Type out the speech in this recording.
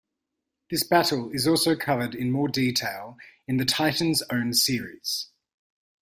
This battle is also covered in more detail in the Titans own series.